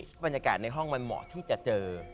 บรรยากาศในห้องมันเหมาะที่จะเจอ